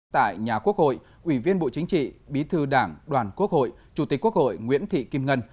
tại nhà quốc hội ủy viên bộ chính trị bí thư đảng đoàn quốc hội chủ tịch quốc hội nguyễn thị kim ngân